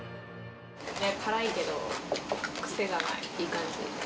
辛いけど、癖がない、いい感